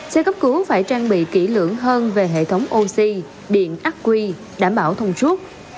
xe cấp cứu phải trang bị kỹ lưỡng hơn về hệ thống oxy điện ác quy đảm bảo thông suốt